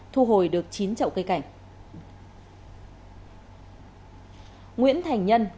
thu hồi được chín trậu cây cảnh